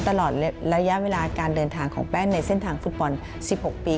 ตลอดระยะเวลาการเดินทางของแป้นในเส้นทางฟุตบอล๑๖ปี